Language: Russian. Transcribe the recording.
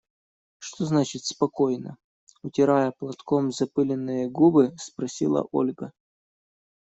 – Что значит «спокойно»? – утирая платком запыленные губы, спросила Ольга.